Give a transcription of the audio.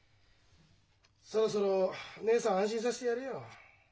そろそろ義姉さん安心させてやれよ。